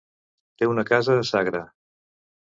Té una casa a Sagra.